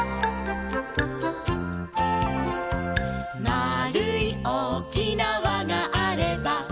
「まあるいおおきなわがあれば」